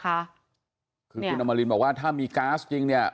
คือพี่น้ำมารินบอกว่าถ้ามีก๊าสจริง